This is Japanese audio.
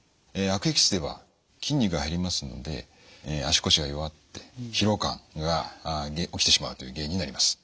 悪液質では筋肉が減りますので足腰が弱って疲労感が起きてしまうという原因になります。